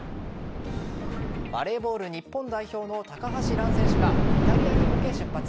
バレーボール日本代表の高橋藍選手がイタリアに向け出発。